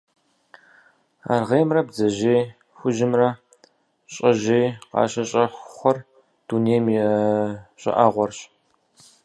Аргъеймрэ бдзэжьей хужьымрэ щӀэжьей къащыщӀэхъуэр дунейм и щӀыӀэгъуэрщ.